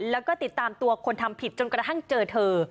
แล้วก็ติดตามตัวคนทำผิดจนกระทั่งเจอเธอ